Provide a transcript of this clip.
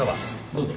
どうぞ。